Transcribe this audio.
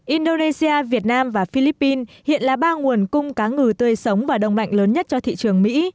indonesia việt nam và philippines hiện là ba nguồn cung cá ngừ tươi sống và đồng lạnh lớn nhất cho thị trường mỹ